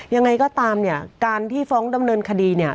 ยังไงก็ตามเนี่ยการที่ฟ้องดำเนินคดีเนี่ย